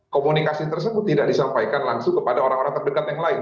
komunikasi tersebut tidak disampaikan langsung kepada orang orang terdekat yang lain